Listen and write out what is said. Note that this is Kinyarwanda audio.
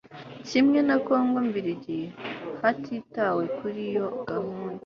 kimwe na kongo mbirigi hatitawe kuriyo gahunda